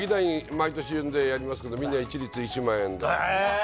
劇団員、毎年呼んでやりますけど、みんな一律１万円。